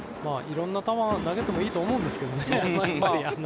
色んな球を投げてもいいと思うんですけどね。